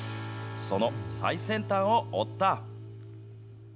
その最先端を追った。